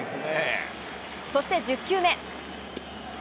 そして１０球目。